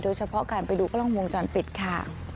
โดยเฉพาะการไปดูกล้องวงจรปิดค่ะ